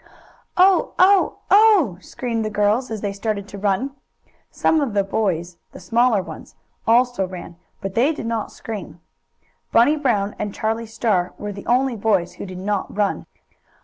"Oh! Oh! Oh!" screamed the girls, as they started to run. Some of the boys the smaller ones also ran, but they did not scream. Bunny Brown and Charlie Star were the only boys who did not run.